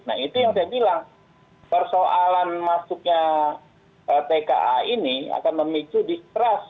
nah itu yang saya bilang persoalan masuknya tka ini akan memicu distrust